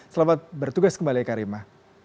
selamat bertugas kembali eka rima